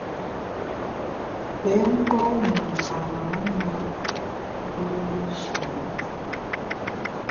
Pé mgbom me nkarâ na ndùere shimo’ fa’.